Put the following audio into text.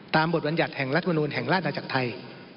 ตามบทวัญญัติแห่งรัฐวนูลแห่งราชอาจักรไทย